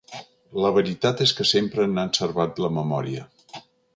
La veritat és que sempre n'han servat la memòria.